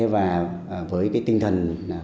với tinh thần